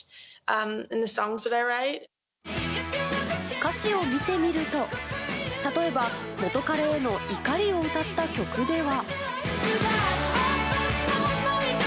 歌詞を見てみると例えば元カレへの怒りを歌った曲では。